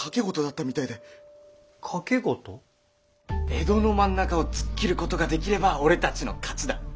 江戸の真ん中を突っ切ることができれば俺たちの勝ちだ。